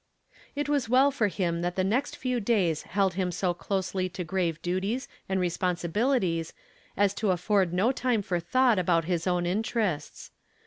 It was well for him that the next few days held him so closely to grave duties and responsibilities as to afford no time for thought about his own interests.